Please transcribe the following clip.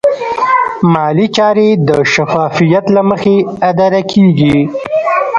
مالي چارې د شفافیت له مخې اداره کېږي.